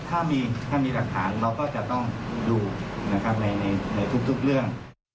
ถ้ามีรักษาเราก็จะต้องดูในทุกเรื่อง